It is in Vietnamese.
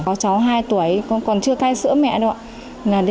có cháu hai tuổi con còn chưa cay sữa mẹ đâu ạ